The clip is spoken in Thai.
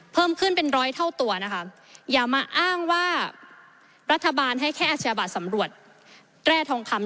เพิ่มขึ้นเป็นร้อยเท่าตัวนะคะอย่ามาอ้างว่ารัฐบาลให้แค่อาชญาบัตรสำรวจแร่ทองคำ